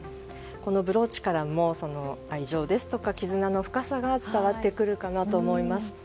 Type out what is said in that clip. このブローチからも愛情ですとか絆の深さが伝わってくるかなと思います。